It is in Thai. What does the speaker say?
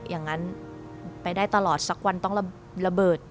อย่างนั้นไปได้ตลอดสักวันต้องระเบิด